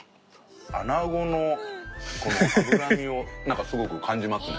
アナゴのこの脂身をなんかすごく感じますね。